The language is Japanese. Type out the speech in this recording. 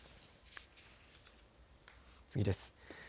次です。